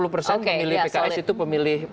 pemilih pks itu pemilih